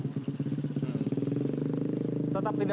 tetap tidak mau pindah ibu zubaida